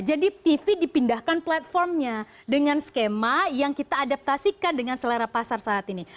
jadi tv dipindahkan platformnya dengan skema yang kita adaptasikan dengan selera pasar saat ini